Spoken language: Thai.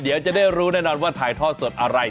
เดี๋ยวจะได้รู้แน่นอนว่าถ่ายทอดสดอะไร